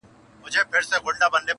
چي مي ستونی په دعا وو ستړی کړی.!